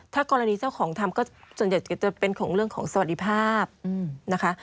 ถ้ากรณีเจ้าของทำก็ส่วนใหญ่ก็จะเป็นของเรื่องของสวัสดิภาพนะคะ